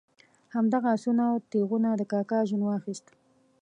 همدغه آسونه او تیغونه د کاکا ژوند واخیست.